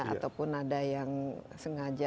ataupun ada yang sengaja